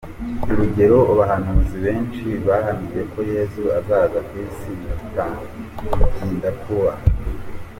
Urugero, abahanuzi benshi bahanuye ko Yesu azaza ku isi bitinda kuba.